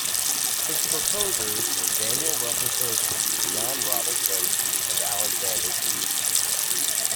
His proposers were Daniel Rutherford, John Robison, and Alexander Keith.